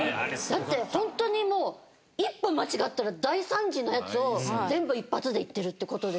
だってホントにもう一歩間違ったら大惨事のやつを全部一発でいってるって事ですよね。